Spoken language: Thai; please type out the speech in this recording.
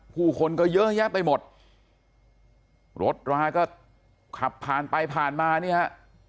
ผู้คนก็เยอะแยะไปหมดรถราก็ขับผ่านไปผ่านมานี่ฮะ